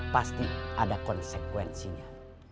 pasti ada konsekuensinya